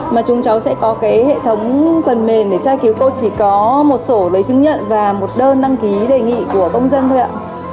mà chúng cháu sẽ có cái hệ thống phần mềm để tra cứu cô chỉ có một sổ giấy chứng nhận và một đơn đăng ký đề nghị của công dân thôi ạ